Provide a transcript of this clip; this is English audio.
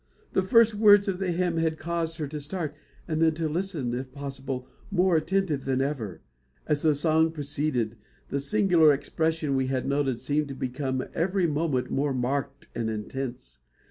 The first words of the hymn had caused her to start, and then to listen, if possible, more attentively than ever. As the song proceeded, the singular expression we had noted seemed to become every moment more marked and intense.